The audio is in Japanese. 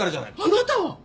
あなたは？